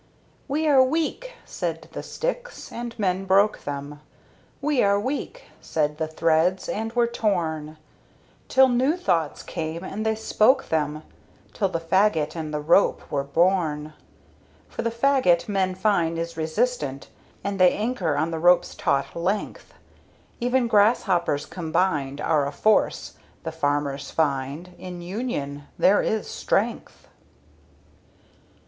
"We are weak!" said the Sticks, and men broke them; "We are weak!" said the Threads, and were torn; Till new thoughts came and they spoke them; Till the Fagot and the Rope were born. For the Fagot men find is resistant, And they anchor on the Rope's taut length; Even grasshoppers combined, Are a force, the farmers find In union there is strength.